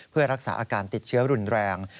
เพื่อรักษาอาการติดเชื้อรุนแรง